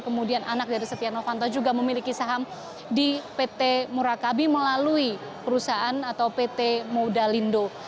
kemudian anak dari setia novanto juga memiliki saham di pt murakabi melalui perusahaan atau pt modalindo